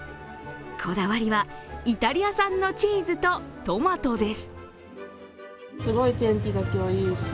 こだわりはイタリア産のチーズとトマトです。